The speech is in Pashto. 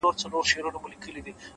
يا الله تې راته ژوندۍ ولره!!